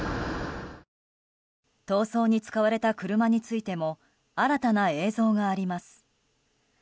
逃走に使われた車についても新たな映像があります。